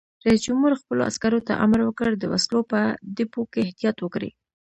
رئیس جمهور خپلو عسکرو ته امر وکړ؛ د وسلو په ډیپو کې احتیاط وکړئ!